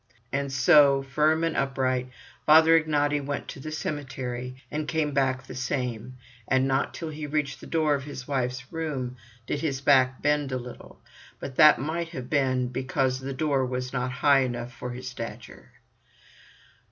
And so, firm and upright, Father Ignaty went to the cemetery, and came back the same. And not till he reached the door of his wife's room did his back bend a little; but that might have been because the door was not high enough for his stature.